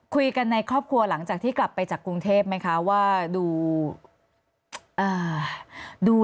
คุยกันในครอบครัวหลังจากที่กลับไปจากกรุงเทพไหมคะว่าดู